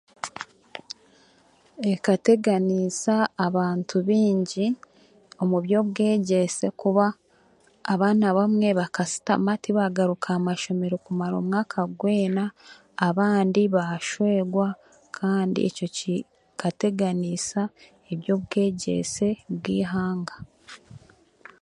Ekateganiisa abantu baingi omu by'obwegyese kuba abaana bamwe bakasitama tibaagaruka aha mashomero kumara omwaka gwena, abandi bashwerwa kandi ekyo kikateganiisa eby'obwegyese bwihanga.